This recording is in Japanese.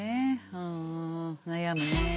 うん悩むね。